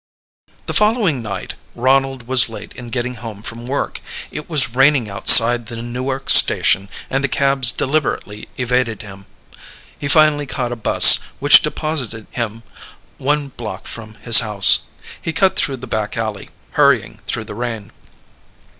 The following night Ronald was late in getting home from work. It was raining outside the Newark station and the cabs deliberately evaded him. He finally caught a bus, which deposited him one block from his house. He cut through the back alley, hurrying through the rain.